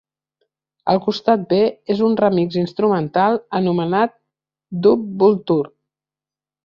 El costat B és un remix instrumental anomenat "Dub-vulture".